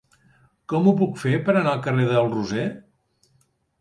Com ho puc fer per anar al carrer del Roser?